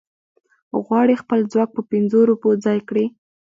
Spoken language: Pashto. غواړي خپل ځواک په پنځو روپو ځای کړي.